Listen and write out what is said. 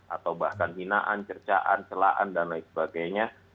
atau bahkan hinaan cercaan celaan dan lain sebagainya